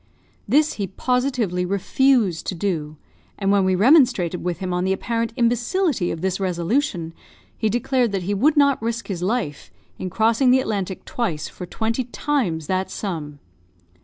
This he positively refused to do; and when we remonstrated with him on the apparent imbecility of this resolution, he declared that he would not risk his life, in crossing the Atlantic twice for twenty times that sum.